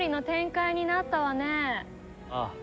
ああ。